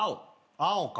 青か。